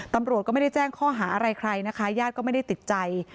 ตำรวจก็ไม่ได้แจ้งข้อหาอะไรใครนะคะญาติก็ไม่ได้ติดใจ